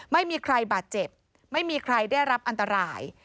ไม่มีใครบาดเจ็บไม่มีใครได้รับอันตราย